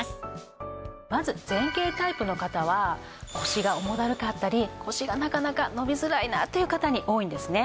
まず前傾タイプの方は腰が重だるかったり腰がなかなか伸びづらいなっていう方に多いんですね。